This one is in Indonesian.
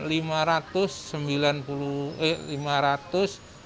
jadi saya masukkan barang barang itu sebanyakan lima ratus dua puluh enam juta